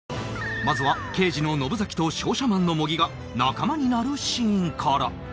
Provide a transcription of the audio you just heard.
まずは刑事の野ブ崎と商社マンの茂木が仲間になるシーンから